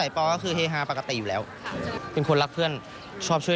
ปเขาจะชอบ